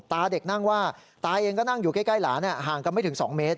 ตาเด็กนั่งว่าตาเองก็นั่งอยู่ใกล้หลานห่างกันไม่ถึง๒เมตร